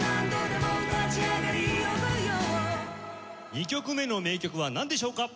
２曲目の名曲はなんでしょうか？